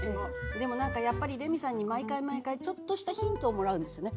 でも何かやっぱりレミさんに毎回毎回ちょっとしたヒントをもらうんですよね。